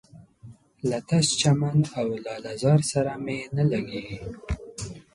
له تش چمن او لاله زار سره مي نه لګیږي